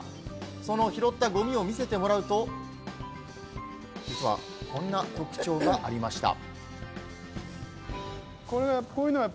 その拾ったゴミを見せてもらうと、実はこんな特徴がありました。